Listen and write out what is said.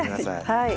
はい。